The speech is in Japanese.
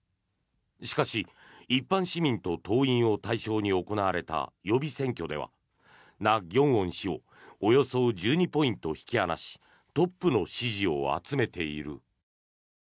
しかし、一般市民と党員を対象に行われた予備選挙ではナ・ギョンウォン氏をおよそ１２ポイント引き離しトップの支持を集めている。